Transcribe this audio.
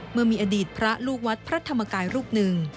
เมื่อมีอดีตพระลูกวัดพระธรรมกายรูปหนึ่ง